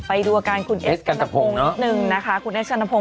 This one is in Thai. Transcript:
ไปดูอาการคุณเอสกันตะโพงนิดนึงนะคะคุณเอสกันตะโพง